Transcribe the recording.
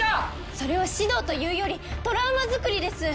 それは指導というよりトラウマ作りです